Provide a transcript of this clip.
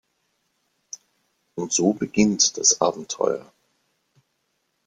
Und so beginnt das Abenteuer.